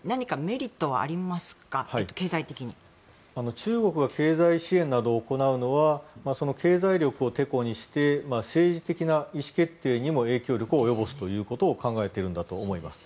中国が経済支援などを行うのはその経済力をてこにして政治的な意思決定にも影響力を及ぼすということを考えているんだと思います。